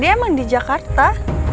dia emang di jakarta